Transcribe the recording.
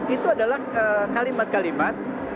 itu adalah kalimat kalimat